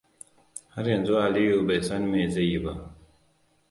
Har yanzu Aliyu bai san me zai yi ba.